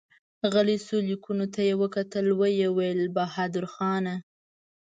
غلی شو، ليکو ته يې وکتل، ويې ويل: بهادرخانه!